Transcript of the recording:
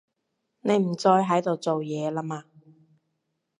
你唔再喺度做嘢啦嘛